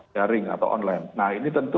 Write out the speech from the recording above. daring atau online nah ini tentu